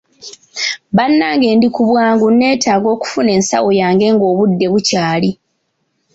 Bannange ndi ku bwangu neetaaga okufuna ensawo yange ng'obudde bukyali.